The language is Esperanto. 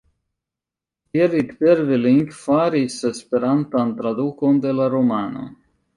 Gerrit Berveling faris esperantan tradukon de la romano.